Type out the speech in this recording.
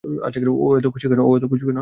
ও এতো খুশি কেন?